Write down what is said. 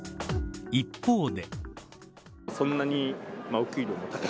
一方で。